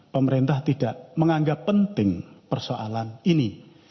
pemerintah tidak menganggap penting persoalan ini